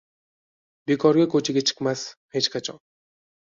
Bekorga ko‘chaga chiqmas hech qachon